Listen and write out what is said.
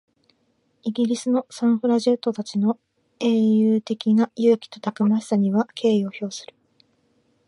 イギリスのサフラジェットたちの英雄的な勇気とたくましさには敬意を表する。